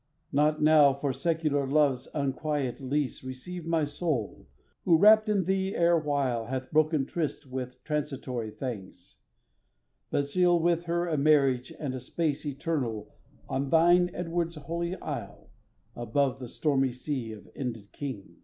Not now for secular love's unquiet lease Receive my soul, who rapt in thee erewhile Hath broken tryst with transitory things; But seal with her a marriage and a peace Eternal, on thine Edward's holy isle, Above the stormy sea of ended kings.